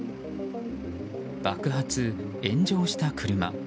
爆発・炎上した車。